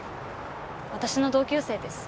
私の同級生です。